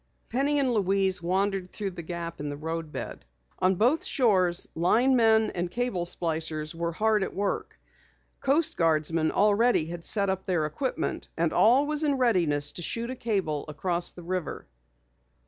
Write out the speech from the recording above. Penny and Louise wandered toward the gap in the roadbed. On both shores, linemen and cable splicers were hard at work. Coast Guardsmen already had set up their equipment and all was in readiness to shoot a cable across the river.